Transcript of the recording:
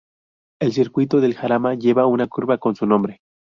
El Circuito del Jarama lleva una curva con su nombre.